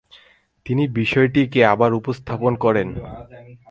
তিনি বিষয়টিকে আবার উপস্থাপন করেন।